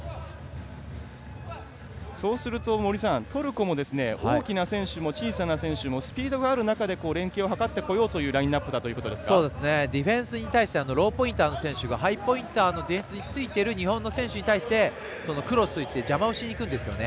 そうすると森さん、トルコも大きな選手も小さな選手もスピードがあるなかで連係を図っていこうというディフェンスに対してローポインターの選手がハイポインターのディフェンスについている日本の選手に対してクロスで邪魔しにいくんですね。